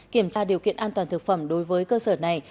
kiểm tra điều kiện an toàn thực phẩm đối với cơ sở này